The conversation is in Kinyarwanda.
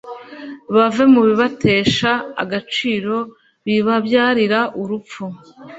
bave mu bibatesha agaciro bibabyarira n’urupfu